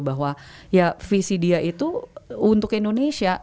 bahwa ya visi dia itu untuk indonesia